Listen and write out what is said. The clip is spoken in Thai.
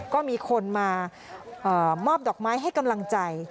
ก็มีคนมามอบดอกไม้ให้กำลังใจ